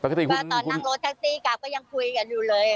แล้วก็ให้กลับบ้านอย่างเงี้ยตอนนั่งรถทักซี่กลับก็ยังคุยกันอยู่เลย